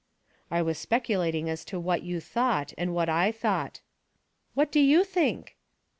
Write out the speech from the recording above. " I was speculating as to what you thought, and what I thought." "What do you think?"